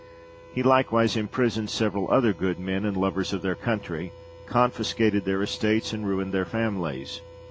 He likewise imprisoned several other good men and lovers of their country, confiscated their estates, and ruined their families.